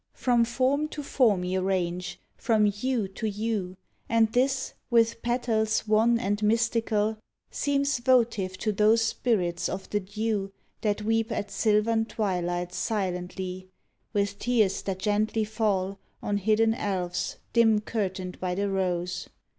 From form to form ye range. From hue to hue, And this, with petals wan and mystical. Seems votive to those spirits of the dew That weep at silvern twilights silently, With tears that gently fall On hidden elves dim curtained by the rose.